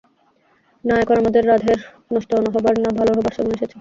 না, এখন আমাদের রাধের নষ্ট হবার না ভালো হবার সময় এসেছে।